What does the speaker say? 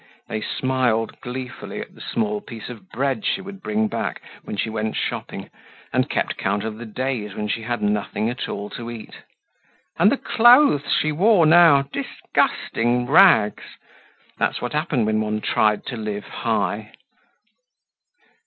They smiled gleefully at the small piece of bread she would bring back when she went shopping and kept count of the days when she had nothing at all to eat. And the clothes she wore now. Disgusting rags! That's what happened when one tried to live high.